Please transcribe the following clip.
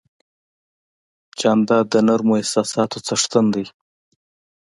جانداد د نرمو احساساتو څښتن دی.